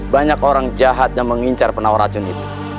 banyak orang jahat yang mengincar penawar racun itu